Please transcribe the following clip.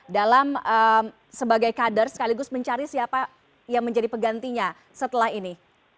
dalam sebagai kader sekaligus mencari siapa yang menjadi pegantinya setelah ini